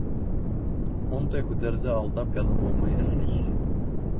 Ундай һүҙҙәрҙе алдап яҙып булмай, әсәй.